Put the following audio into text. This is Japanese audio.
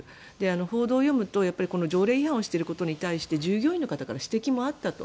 報道を読むと条例違反をしていることに対して従業員の方から指摘もあったと。